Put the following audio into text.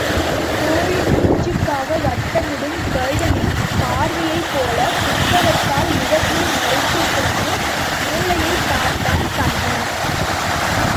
கோழிக் குஞ்சுக்காக வட்டமிடும் கருடனின் பார்வையைப் போல, புத்தகத்தால் முகத்தை மறைத்துக் கொண்டு மூலையைப் பார்த்தான் கண்ணன்.